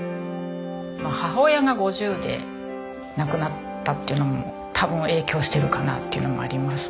母親が５０で亡くなったっていうのも多分影響してるかなっていうのもありますけど。